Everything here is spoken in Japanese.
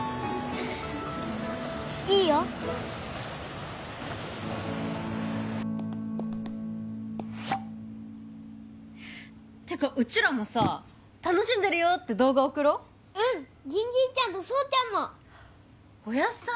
いいよていうかうちらもさ楽しんでるよって動画送ろううん銀じいちゃんと蒼ちゃんもおやっさん